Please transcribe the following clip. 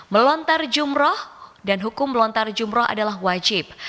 melontar jumroh dan hukum melontar jumroh adalah wajib